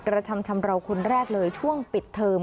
กระทำชำราวคนแรกเลยช่วงปิดเทอม